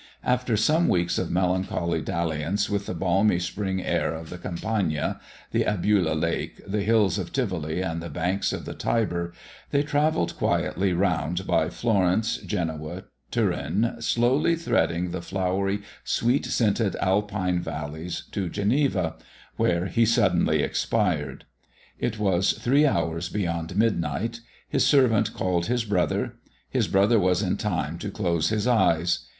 After some weeks of melancholy dalliance with the balmy spring air of the Campagna, the Albula Lake, the hills of Tivoli, and the banks of the Tiber, they travelled quietly round by Florence, Genoa, Turin, slowly threading the flowery, sweet scented Alpine valleys, to Geneva, where he suddenly expired. It was three hours beyond midnight; his servant called his brother; his brother was in time to close his eyes.